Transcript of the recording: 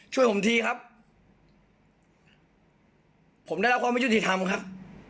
ช่วยผมทีครับผมได้รับความไม่ยุติธรรมครับ